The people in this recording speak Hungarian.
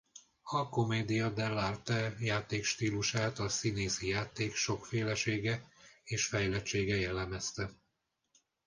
A commedia dell’arte játékstílusát a színészi játék sokfélesége és fejlettsége jellemezte.